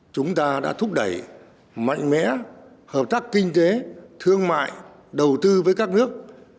chúng ta đã thúc đẩy mạnh mẽ hợp tác kinh tế thương mại đầu tư với các nước